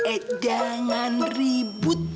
eh jangan ribut